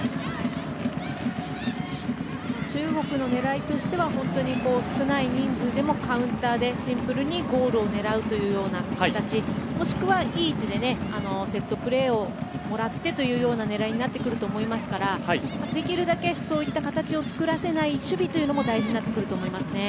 中国の狙いとしては少ない人数でもカウンターでシンプルにゴールを狙う形もしくは、いい位置でセットプレーをもらってという狙いになってくると思いますからできるだけ、そういう形を作らせない守備も大事になってくると思いますね。